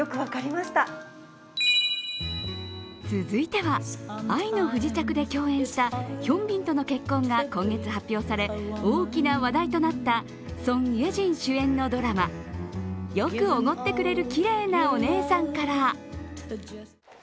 続いては「愛の不時着」で共演したヒョンビンとの結婚が今月発表され、大きな話題となったソン・イェジン主演のドラマ、「よくおごってくれる綺麗なお姉さん」から。